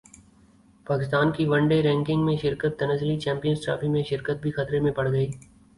پاکستان کی one day ranking میں تنزلی چیمپئنز ٹرافی میں شرکت بھی خطرے میں پڑگئی